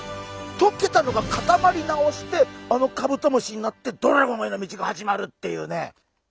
とけたのが固まり直してあのカブトムシになってドラゴンへの道が始まるっていうね。